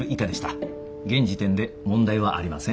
現時点で問題はありません。